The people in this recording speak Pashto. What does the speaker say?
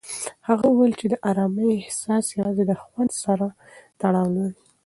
هغه وویل چې د ارامۍ احساس یوازې د خوند سره تړاو لري.